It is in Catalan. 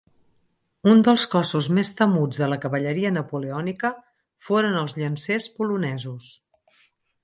Un dels cossos més temuts de la cavalleria napoleònica foren els Llancers polonesos.